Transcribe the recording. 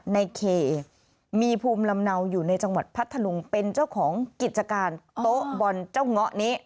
ในเคมีภูมิลำเนาอยู่ในจังหวัดพัทธลุงเป็นเจ้าของกิจการโต๊ะบอลเจ้าเงาะนี้